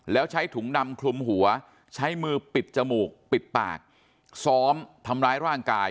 แล้วใช้ถุงดำคลุมหัวใช้มือปิดจมูกปิดปากซ้อมทำร้ายร่างกาย